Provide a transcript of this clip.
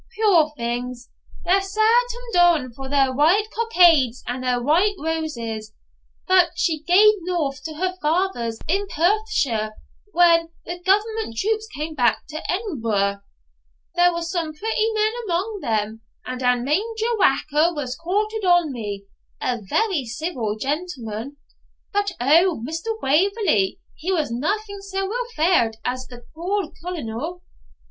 puir things, they're sair ta'en doun for their white cockades and their white roses; but she gaed north to her father's in Perthshire, when the government troops cam back to Edinbro'. There was some prettymen amang them, and ane Major Whacker was quartered on me, a very ceevil gentleman, but O, Mr. Waverley, he was naething sae weel fa'rd as the puir Colonel.'